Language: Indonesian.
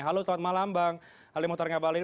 halo selamat malam bang ali mohtar ngabalin